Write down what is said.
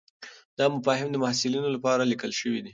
دا مفاهیم د محصلینو لپاره لیکل شوي دي.